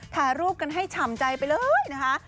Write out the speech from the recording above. ถ่ายรูปกันให้ฉ่ำใจไปเลยนะคะ